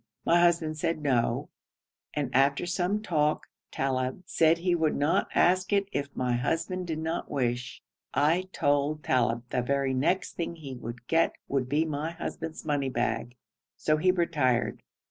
My husband said 'No,' and after some talk Talib said he would not ask it if my husband did not wish. I told Talib that the very next thing he would get would be my husband's money bag, so he retired.